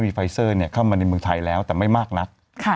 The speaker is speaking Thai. มีไฟเซอร์เข้ามาในเมืองไทยแล้วแต่ไม่มากนัก